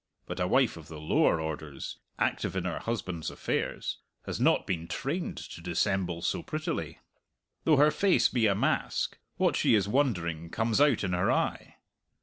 But a wife of the lower orders, active in her husband's affairs, has not been trained to dissemble so prettily; though her face be a mask, what she is wondering comes out in her eye.